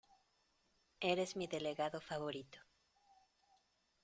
Eres mi delegado favorito.